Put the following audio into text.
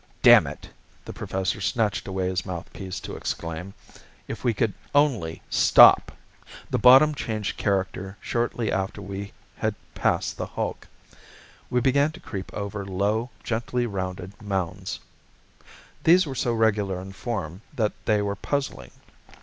"Damn it!" the Professor snatched away his mouthpiece to exclaim: "If we could only stop." The bottom changed character shortly after we had passed the hulk. We began to creep over low, gently rounded mounds. These were so regular in form that they were puzzling.